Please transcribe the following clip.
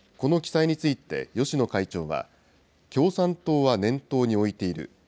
この記載について、芳野会長は、共産党は念頭に置いている。